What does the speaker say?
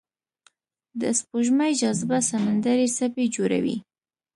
د سپوږمۍ جاذبه سمندري څپې جوړوي.